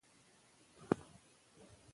که بریښنا وي نو فابریکې نه بندیږي.